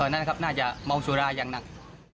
นั่นครับน่าจะเมาสุราอย่างหนัก